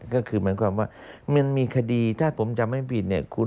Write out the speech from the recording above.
ก็คือเหมือนความว่ามันมีคดีถ้าผมจำไม่ผิด